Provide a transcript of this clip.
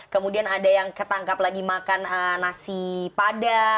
kemudian ada yang ketangkap lagi makan nasi padang